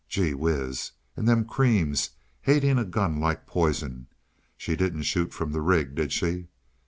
"Gee whiz! And them creams hating a gun like poison! She didn't shoot from the rig, did she?"